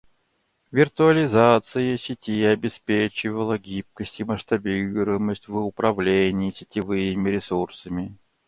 Виртуализация сети обеспечивала гибкость и масштабируемость в управлении сетевыми ресурсами.